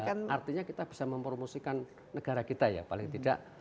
artinya kita bisa mempromosikan negara kita ya paling tidak